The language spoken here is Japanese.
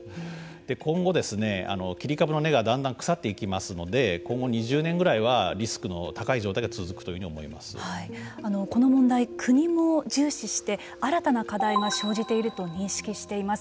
今後、切り株の根がだんだん腐っていきますので今後２０年ぐらいはリスクの高い状態がこの問題国も重視して新たな課題が生じていると認識しています。